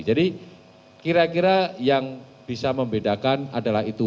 jadi kira kira yang bisa membedakan adalah itu